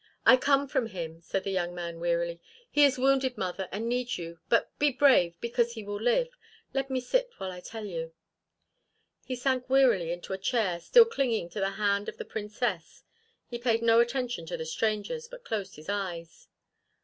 "I come from him," said the young man wearily. "He is wounded, mother, and needs you, but be brave, because he will live. Let me sit while I tell you." He sank wearily into a chair, still clinging to the hand of the Princess. He paid no attention to the strangers, but closed his eyes.